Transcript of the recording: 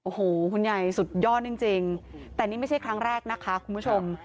โอ้โหคุณยายสุดยอดจริงแต่นี่ไม่ใช่ครั้งแรกนะคะคุณผู้ชม